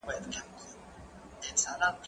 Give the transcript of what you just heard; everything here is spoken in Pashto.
زه به ږغ اورېدلی وي!.